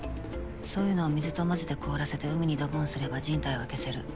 そういうのを水と混ぜて凍らせて海にドボンすれば人体は消せる。